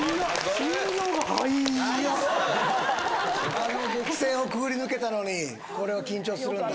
あの激戦をくぐり抜けたのにこれは緊張するんだ？